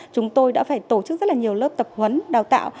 chúng tôi đã phải tổ chức rất là nhiều lớp tập huấn đào tạo